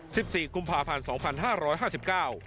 สิบสี่กุมภาพันธ์สองพันห้าร้อยห้าสิบเก้า